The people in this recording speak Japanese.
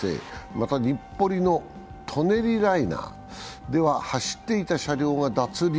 また、日暮里・舎人ライナーでは走っていた車両が脱輪。